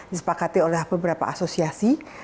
disepakati oleh beberapa asosiasi